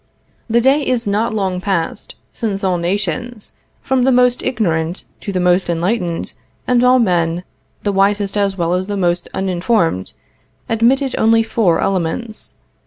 The day is not long passed since all nations, from the most ignorant to the most enlightened, and all men, the wisest as well as the most uninformed, admitted only four elements.